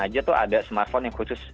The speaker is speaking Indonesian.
aja tuh ada smartphone yang khusus